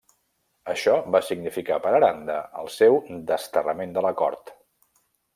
Això va significar per Aranda el seu desterrament de la cort.